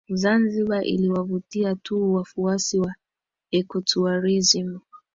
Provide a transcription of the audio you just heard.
Zanzibar iliwavutia tu wafuasi wa ecotourism